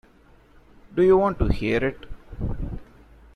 Do you want to hear it?